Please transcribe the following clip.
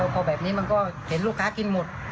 พอแบบนี้มันก็เห็นลูกค้ากินหมด